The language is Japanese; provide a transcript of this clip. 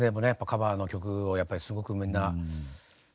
カバーの曲をやっぱりすごくみんな愛して。